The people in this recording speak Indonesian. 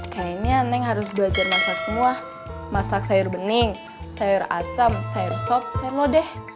kayaknya neng harus belajar masak semua masak sayur bening sayur asam sayur sop saya lupa deh